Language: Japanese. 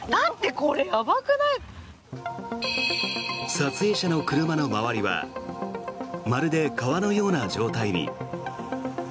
撮影者の車の周りはまるで川のような状態に。